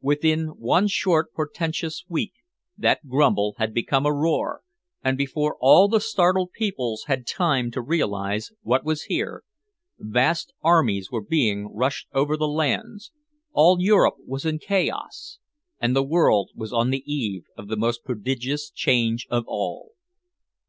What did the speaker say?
Within one short portentous week that grumble had become a roar, and before all the startled peoples had time to realize what was here, vast armies were being rushed over the lands, all Europe was in chaos and the world was on the eve of the most prodigious change of all.